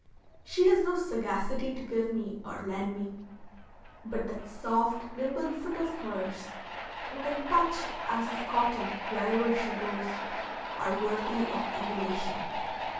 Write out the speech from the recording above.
She has no sagacity to give me or lend me, but that soft, nimble foot of hers, and that touch as of cotton wherever she goes, are worthy of emulation.